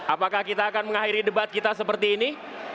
apakah kita akan mengakhiri debat kita seperti ini